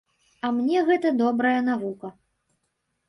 А мне гэта добрая навука.